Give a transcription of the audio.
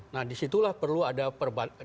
nah disitulah perlu ada perbaikan